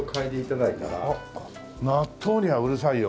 納豆にはうるさいよ？